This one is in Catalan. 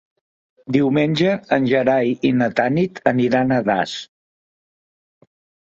Diumenge en Gerai i na Tanit aniran a Das.